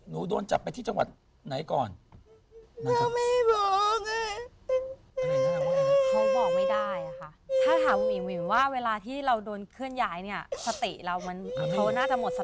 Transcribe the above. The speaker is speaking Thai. โดนจับไปที่จังหวัดไหนก่อน